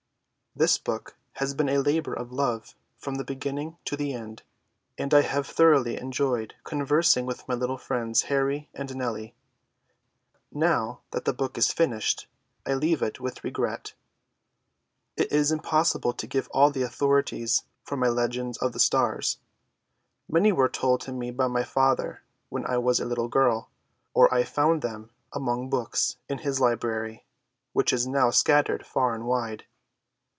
This book has been a labor of love from the beginning to the end, and I have thoroughly enjoyed conversing with my little friends Harry and Nellie. Now that the book is finished, I leave it with regret. It is impossible to give all the authorities for my legends of the stars. Many were told to me by my father when I was a little girl, or I found them among books in his library, which is now scattered far and wide.